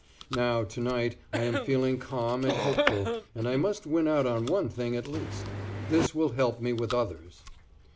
Now, to night I am feeling calm and hopeful and I must win out on one thing at least. This will help me with others.